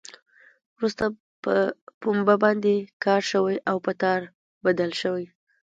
وروسته په پنبه باندې کار شوی او په تار بدل شوی.